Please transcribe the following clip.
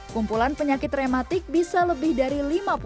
kumpulan penyakit reumatik bisa lebih dari lima puluh